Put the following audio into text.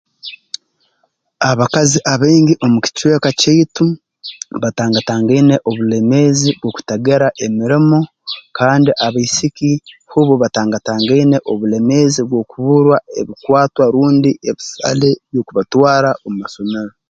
Abakazi abaingi omu kicweka kyaitu batangatangaine obulemeezi obw'okutagira emirimo kandi abaisiki hubo batangatangaine obulemeezi bw'okuburwa ebikwatwa rundi ebisale by'okubatwara omu isomero